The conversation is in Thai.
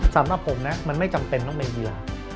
สำหรับผมนะมันไม่จำเป็นต้องเป็นเหยื่อ